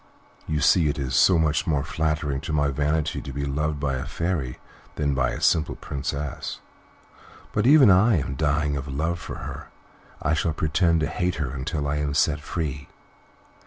You see it is so much more flattering to my vanity to be loved by a fairy than by a simple princess. But, even if I am dying of love for her, I shall pretend to hate her until I am set free."